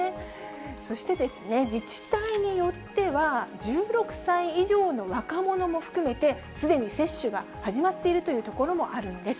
そして自治体によっては、１６歳以上の若者も含めて、すでに接種が始まっているというところもあるんです。